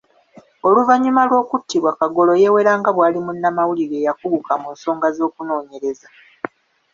Ouvannyuma lw'okuttibwa Kagolo yeewera nga bwali munnamawulire eyakuguka mu nsonga z'okunoonyereza.